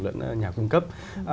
lẫn nhà cung cấp